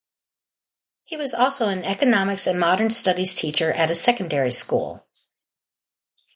He was also an Economics and Modern Studies teacher at a secondary school.